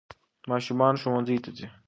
ماشومان ښوونځیو ته ځي.